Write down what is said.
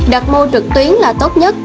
đặt mô trực tuyến là tốt nhất